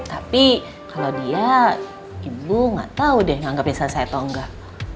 tapi kalo dia ibu gak tau deh nganggepnya selesai atau enggak